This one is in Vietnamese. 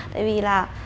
tại vì là